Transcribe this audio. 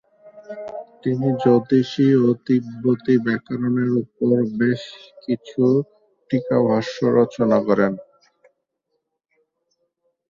তিনি জ্যোতিষ ও তিব্বতী ব্যাকরণের ওপর বেশ কিছু টীকাভাষ্য রচনা করেন।